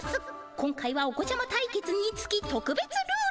今回はお子ちゃま対決につきとくべつルール。